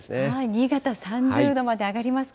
新潟３０度まで上がりますか。